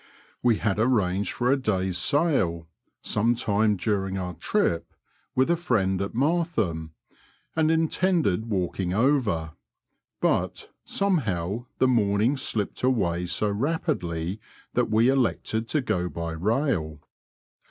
We had arranged for a day's sail, some time daring oar trip, with a friend at Martham, and intended walking over ; bat, somehow, the morning slipped away so rapidly that we elected to go by rail.